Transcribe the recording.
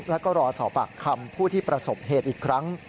แล้วก็รอสอบปากคำผู้ที่ประสบเหตุอีกครั้ง